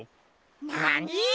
なに！？